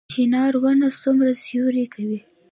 چنار ونه څومره سیوری کوي؟